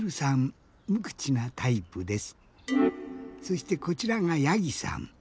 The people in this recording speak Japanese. そしてこちらがやぎさん。